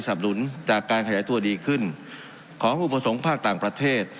หนุนจากการขยายตัวดีขึ้นของผู้ประสงค์ภาคต่างประเทศ